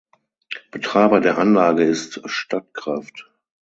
Betreiber der Anlage ist Statkraft.